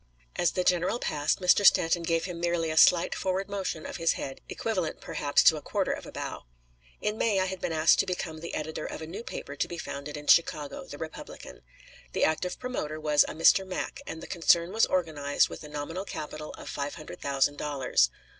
As the general passed, Mr. Stanton gave him merely a slight forward motion of his head, equivalent, perhaps, to a quarter of a bow. In May I had been asked to become the editor of a new paper to be founded in Chicago, the Republican. The active promoter was a Mr. Mack, and the concern was organized with a nominal capital of five hundred thousand dollars.